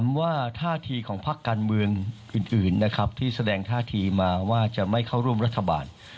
ผมว่าท่าทีของพักการเมืองอื่นนะครับที่แสดงท่าทีมาว่าจะไม่เข้าร่วมรัฐบาล